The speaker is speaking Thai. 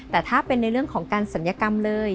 แต่ถ้าเป็นในเรื่องของการศัลยกรรมเลย